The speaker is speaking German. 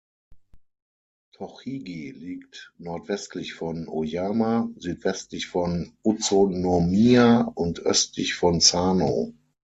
Tochigi liegt nordwestlich von Oyama, südwestlich von Utsunomiya und östlich von Sano.